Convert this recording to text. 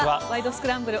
スクランブル」